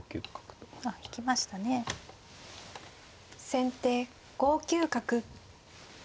先手５九角。